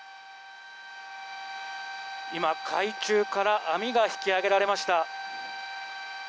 今、海中から網が引き揚げられました。